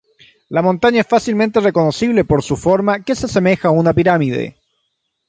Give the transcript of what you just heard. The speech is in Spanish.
La montaña es fácilmente reconocible por su forma que se asemeja a una pirámide.